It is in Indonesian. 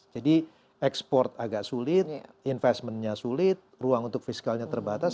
jadi ekspor agak sulit investmentnya sulit ruang untuk fiskalnya terbatas